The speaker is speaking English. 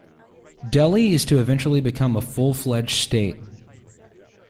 Delhi is to eventually become a full-fledged state.